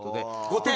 ５点！